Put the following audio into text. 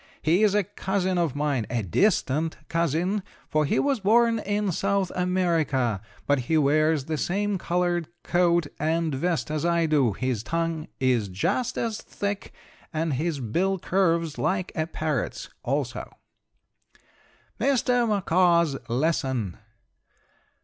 He is a cousin of mine, a distant cousin, for he was born in South America; but he wears the same colored coat and vest as I do, his tongue is just as thick, and his bill curves like a parrot's, also: MR. MACAW'S LESSON.